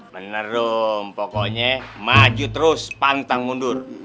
bener rum pokoknya maju terus pantang mundur